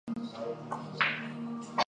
死后赠兵部右侍郎。